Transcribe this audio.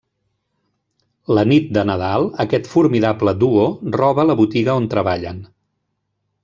La nit de Nadal, aquest formidable duo roba la botiga on treballen.